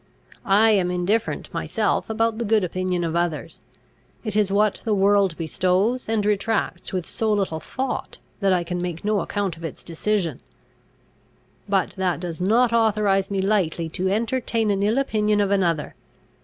I am indifferent myself about the good opinion of others. It is what the world bestows and retracts with so little thought, that I can make no account of its decision. But that does not authorise me lightly to entertain an ill opinion of another.